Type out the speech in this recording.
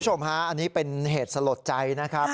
คุณผู้ชมฮะอันนี้เป็นเหตุสลดใจนะครับ